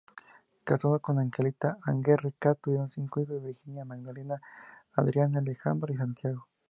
Casado con Angelita Aguerre Cat, tuvieron cinco hijos: Virginia, Magdalena, Adriana, Alejandro y Santiago.